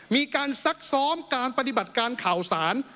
ซักซ้อมการปฏิบัติการข่าวสาร